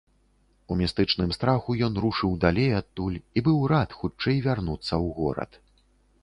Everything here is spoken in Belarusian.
У містычным страху ён рушыў далей адтуль і быў рад хутчэй вярнуцца ў горад.